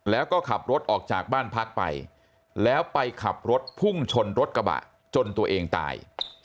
แล้วก็ขับรถออกจากบ้านพักไปแล้วไปขับรถพุ่งชนรถกระบะจนตัวเองตาย